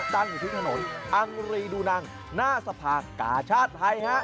ตั้งอยู่ที่ถนนอังรีดูนังหน้าสภากาชาติไทยฮะ